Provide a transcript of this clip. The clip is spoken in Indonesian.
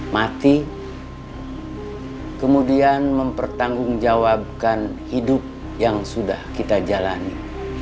mati kemudian mempertanggungjawabkan hidup yang sudah kita jalani